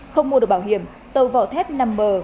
không mua được bảo hiểm tàu vỏ thép nằm bờ